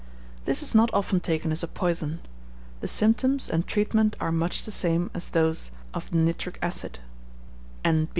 This is not often taken as a poison. The symptoms and treatment are much the same as those of nitric acid. N.B.